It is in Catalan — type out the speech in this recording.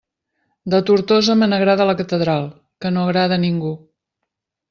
De Tortosa me n'agrada la catedral, que no agrada a ningú!